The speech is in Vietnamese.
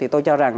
tôi cho ra là